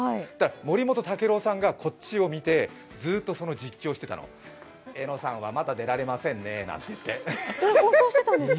森本毅郎さんがこっちを見てずっと実況してたの。えのさんはまだ出られませんね、なんて。